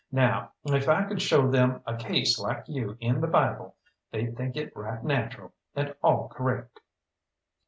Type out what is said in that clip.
Now, if I could show them a case like you in the Bible they'd think it right natural, and all correct."